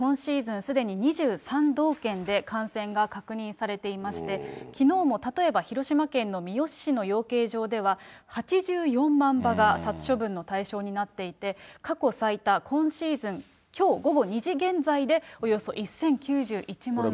すでに２３道県で感染が確認されていまして、きのうも例えば、広島県の三次市の養鶏場では、８４万羽が殺処分の対象になっていて、過去最多、今シーズン、きょう午後２時現在でおよそ１０９１万羽。